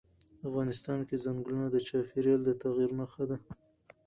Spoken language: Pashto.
افغانستان کې چنګلونه د چاپېریال د تغیر نښه ده.